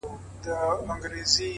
خپل ژوند د خیر سرچینه وګرځوئ؛